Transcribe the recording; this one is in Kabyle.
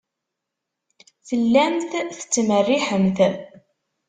Tellamt tettmerriḥemt.